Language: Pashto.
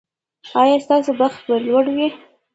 ایا ستاسو بخت به لوړ وي؟